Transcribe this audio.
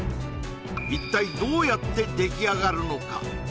一体どうやって出来上がるのか？